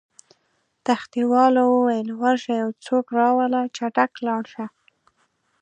تختې والاو وویل: ورشه یو څوک راوله، چټک لاړ شه.